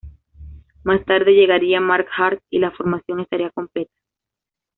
Más tarde, llegaría Mark Hart y la formación estaría completa.